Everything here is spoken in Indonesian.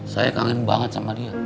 saya kangen banget sama dia